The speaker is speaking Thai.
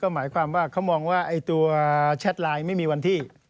หมายความว่าเขามองว่าตัวแชทไลน์ไม่มีวันที่